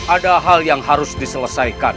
ada hal yang harus diselesaikan